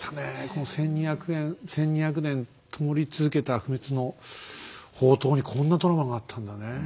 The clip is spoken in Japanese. この１，２００年１，２００年ともり続けた不滅の法灯にこんなドラマがあったんだね。